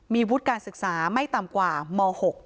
มีวุฒิการศึกษาไม่ต่ำกว่าม๖